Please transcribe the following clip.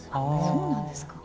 そうなんですか。